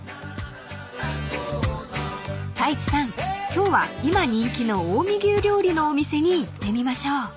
今日は今人気の近江牛料理のお店に行ってみましょう］